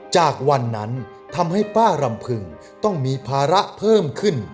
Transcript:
จากวันนั้นทำให้ป้ารำพึงต้องมีภาระเพิ่มขึ้น